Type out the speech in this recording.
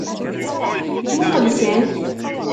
Muqel san!